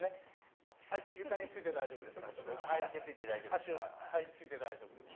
足ついて大丈夫です。